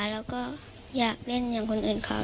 แล้วก็อยากเล่นอย่างคนอื่นเขา